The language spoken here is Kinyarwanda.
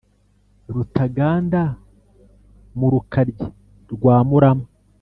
rutaganda mu rukaryi rwa murama